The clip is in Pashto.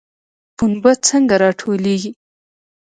پنبه څنګه راټولیږي؟